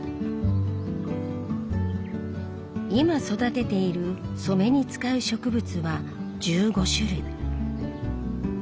今育てている染めに使う植物は１５種類。